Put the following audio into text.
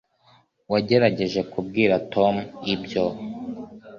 wagerageje kubwira tom ibyo